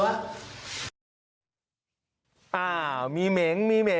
เปล่ามีเหม็งมีไม้